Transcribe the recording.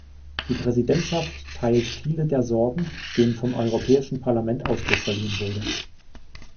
Die Präsidentschaft teilt viele der Sorgen, denen vom Europäischen Parlament Ausdruck verliehen wurde.